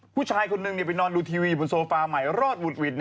ผู้ชายคนหนึ่งไปนอนดูทีวีอยู่บนโซฟาใหม่รอดหวุดหวิด